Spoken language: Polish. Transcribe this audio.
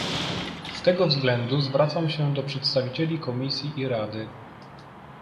Z tego względu zwracam się do przedstawicieli Komisji i Rady